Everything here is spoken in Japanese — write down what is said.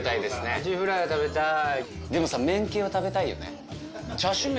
アジフライ食べたい！